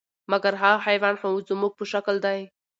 مګر هغه حیوان خو زموږ په شکل دی،